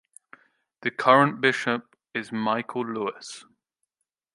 The current bishop is Michael Lewis.